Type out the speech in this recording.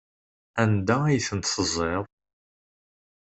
Anda ay tent-teẓẓiḍ?